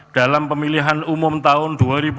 dalam pemilihan umum tahun dua ribu dua puluh